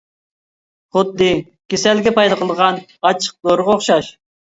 خۇددى كېسەلگە پايدا قىلىدىغان ئاچچىق دورىغا ئوخشاش.